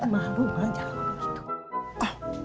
malu banget jawab itu